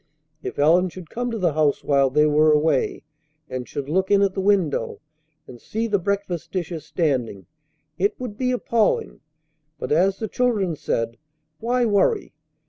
If Ellen should come to the house while they were away, and should look in at the window and see the breakfast dishes standing! It would be appalling! But, as the children said, why worry?